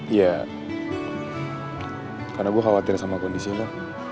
iya karena gue khawatir sama kondisi lu